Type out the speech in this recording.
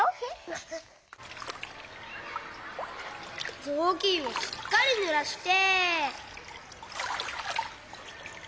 こころのこえぞうきんをしっかりぬらして。